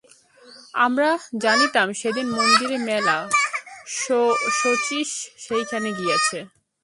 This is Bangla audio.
আমরা জানিতাম সেদিন মন্দিরে মেলা, শচীশ সেইখানে গিয়াছে।